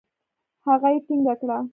هغه يې ټينګه کړه.